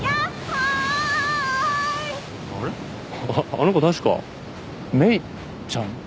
あの子確か芽衣ちゃん？